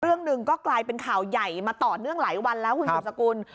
เรื่องหนึ่งก็กลายเป็นข่าวใหญ่มาต่อเนื่องหลายวันแล้วคุณสุดสกุล